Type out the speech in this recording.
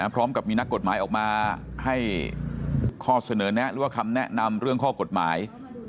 พร้อมกับมีนักกฎหมายออกมาให้ข้อเสนอแนะหรือว่าคำแนะนำเรื่องข้อกฎหมาย